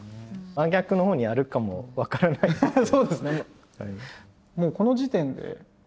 真逆のほうにあるかも分からないですけど。